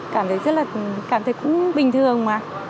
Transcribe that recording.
cảm thấy cũng bình thường mà